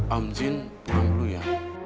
amzin pulang dulu ya